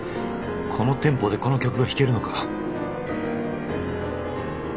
このテンポでこの曲が弾けるのか！？